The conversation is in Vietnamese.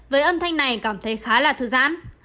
với âm thanh này cảm thấy khá là thư giãn